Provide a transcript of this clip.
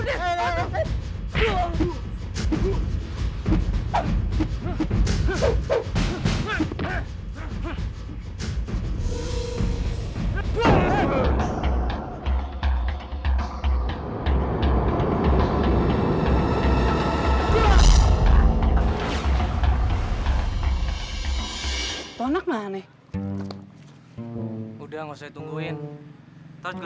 tidak ada yang mengintai anda